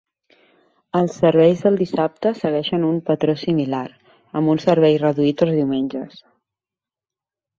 Els serveis del dissabte segueixen un patró similar, amb un servei reduït els diumenges.